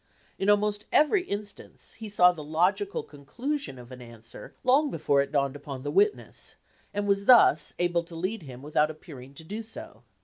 In almost every in stance he saw the logical conclusion of an answer long before it dawned upon the witness, and was thus able to lead him without appearing to do so.